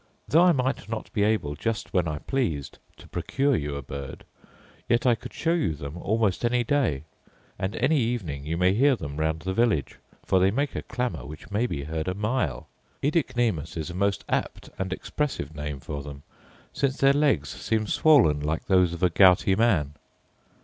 Though I might not be able, just when I pleased, to procure you a bird, yet I could show you them almost any day; and any evening you may hear them round the village, for they make a clamour which may be heard a mile. Oedicnemus is a most apt and expressive name for them, since their legs seem swollen like those of a gouty man.